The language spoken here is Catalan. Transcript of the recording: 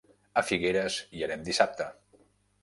A Figueres hi anem dissabte.